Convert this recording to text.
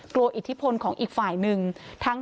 อิทธิพลของอีกฝ่ายหนึ่ง